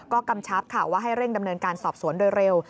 ก็กำชับค่ะว่าให้เร่งดำเนินการสอบสวนโดยเร็ว